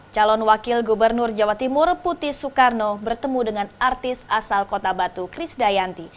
calon wakil gubernur jawa timur putih soekarno bertemu dengan artis asal kota batu kris dayanti